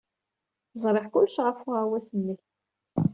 Ẓriɣ kullec ɣef uɣawas-nnek.